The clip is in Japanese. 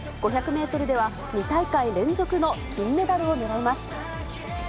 ５００メートルでは２大会連続の金メダルを狙います。